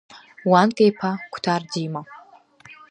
Уанка-иԥа Қәҭар Дима!